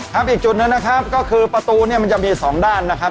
ครับอีกจุดหนึ่งนะครับก็คือประตูมันจะมี๒ด้านนะครับ